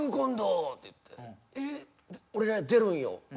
「俺出るんよ。